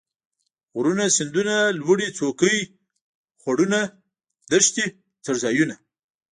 غرونه ،سيندونه ،لوړې څوکي ،خوړونه ،دښتې ،څړ ځايونه